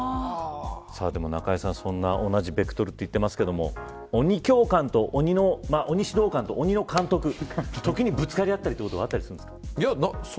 中江さん、そんな同じベクトルと言ってますが鬼教官と鬼の監督時にぶつかり合ったりとかってあったりするんですか。